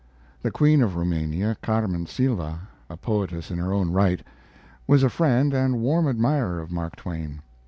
The Queen of Rumania, Carmen Sylva, a poetess in her own right, was a friend and warm admirer of Mark Twain.